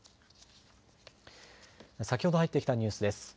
先ほど入ってきたニュースです。